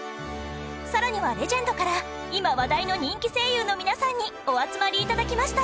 更には、レジェンドから今話題の人気声優の皆さんにお集まりいただきました